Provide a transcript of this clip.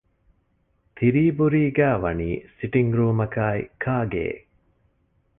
ތިރީބުރީގައި ވަނީ ސިޓިންގ ރޫމަކާއި ކާގެއެއް